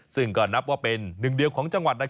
ซึ่งก็นับว่าเป็นหนึ่งเดียวของจังหวัด